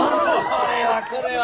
これはこれは。